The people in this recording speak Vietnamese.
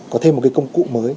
có thêm một cái công cụ mới